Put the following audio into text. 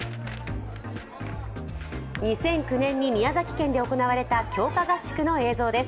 ２００９年に宮崎県で行われた強化合宿の映像です。